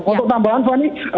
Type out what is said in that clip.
untuk tambahan pani